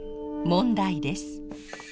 問題です。